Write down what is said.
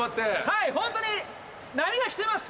はいホントに波が来てます。